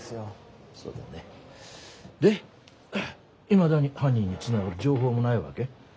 いまだに犯人につながる情報もないわけ？